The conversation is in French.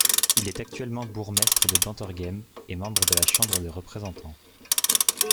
Il est actuellement bourgmestre de Dentergem et membre de la Chambre des représentants.